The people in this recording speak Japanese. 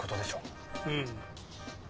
うん。